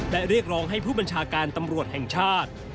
และเรียกร้องให้ผู้บัญชาการตำรวจแห่งชาติ